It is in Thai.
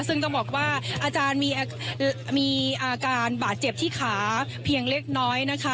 ซึ่งต้องบอกว่าอาจารย์มีอาการบาดเจ็บที่ขาเพียงเล็กน้อยนะคะ